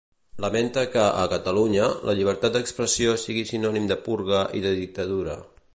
Lamenta que, a Catalunya, la llibertat d'expressió sigui sinònim de purga i de dictadura.